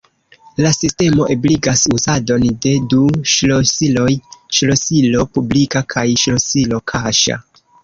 La sistemo ebligas uzadon de du ŝlosiloj: ŝlosilo publika kaj ŝlosilo kaŝa.